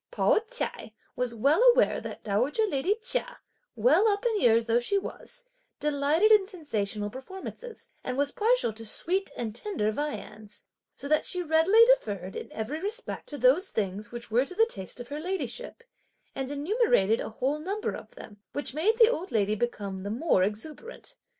Pao ch'ai was well aware that dowager lady Chia, well up in years though she was, delighted in sensational performances, and was partial to sweet and tender viands, so that she readily deferred, in every respect, to those things, which were to the taste of her ladyship, and enumerated a whole number of them, which made the old lady become the more exuberant.